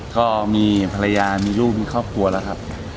ก็มีภรรยามีลูกมีครอบครัวแล้วครับ